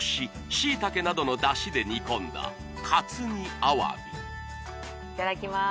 しいたけなどのだしで煮込んだ活煮アワビいただきまーす